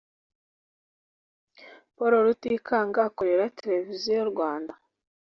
Poul rutikanga akorera television Rwanda